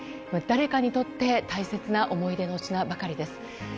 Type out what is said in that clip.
誰かにとって大切な思い出の品ばかりです。